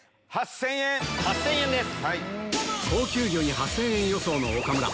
８０００円！